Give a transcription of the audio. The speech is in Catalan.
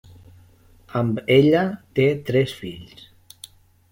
Amb ella té tres fills.